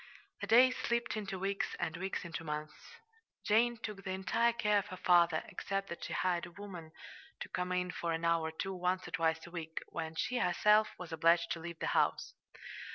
The days slipped into weeks, and the weeks into months. Jane took the entire care of her father, except that she hired a woman to come in for an hour or two once or twice a week, when she herself was obliged to leave the house.